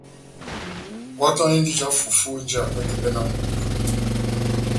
Iwɛ ótɔndindi ija fufú enjiyakwɛ tepɛhɛ náh mʼbuwa